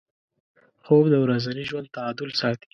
خوب د ورځني ژوند تعادل ساتي